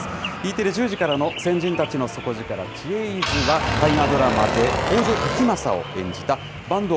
Ｅテレ、１０時からの先人たちの底力知恵泉は、大河ドラマで北条時政を演じた坂東